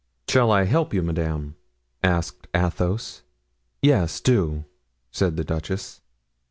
"Shall I help you, madame?" asked Athos. "Yes, do," said the duchess.